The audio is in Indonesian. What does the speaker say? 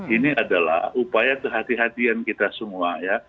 ini adalah upaya kehati hatian kita semua ya